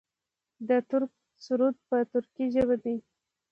د ترک سرود په ترکۍ ژبه دی.